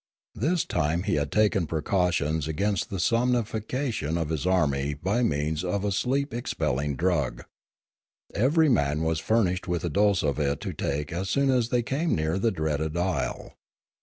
This time he had taken precautions against the somnifaction of his army by means of a sleep expelling drug. Every man was furnished with a dose of it to take as soon as they came near the dreaded isle.